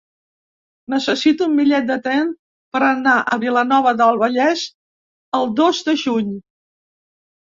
Necessito un bitllet de tren per anar a Vilanova del Vallès el dos de juny.